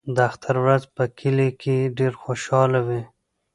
د اختر ورځ په کلي کې ډېره خوشحاله وي.